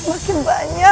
hujan seluruh dunia